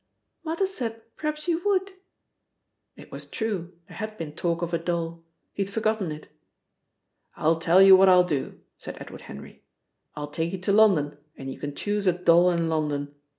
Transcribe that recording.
"Mother said p'r'aps you would." It was true, there had been talk of a doll; he had forgotten it. "I tell you what I'll do," said Edward Henry, "I'll take you to London, and you can choose a doll in London.